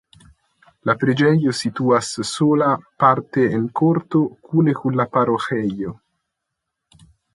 La preĝejo situas sola parte en korto kune kun la paroĥejo.